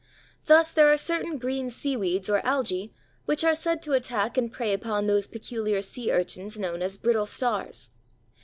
Thus there are certain green seaweeds or algæ which are said to attack and prey upon those peculiar sea urchins known as Brittle Stars.